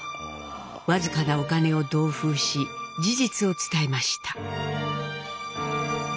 僅かなお金を同封し事実を伝えました。